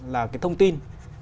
là cái thông tin